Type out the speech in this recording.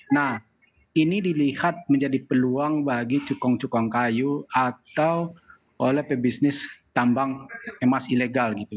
nah ini dilihat menjadi peluang bagi cukong cukong kayu atau oleh pebisnis tambang emas ilegal gitu